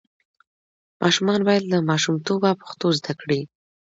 ماشومان باید له ماشومتوبه پښتو زده کړي.